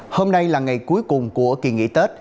hôm nay là ngày cuối cùng của kỳ nghỉ tết